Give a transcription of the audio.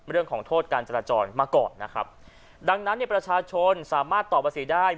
เรื่องของโทษการจราจรมาก่อนนะครับดังนั้นเนี่ยประชาชนสามารถต่อภาษีได้